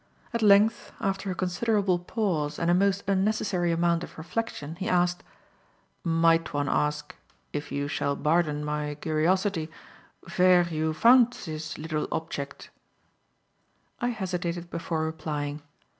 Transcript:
At length, after a considerable pause and a most unnecessary amount of reflection, he asked: "Might one ask, if you shall bardon my guriosity, vere you found zis liddle opchect?" I hesitated before replying.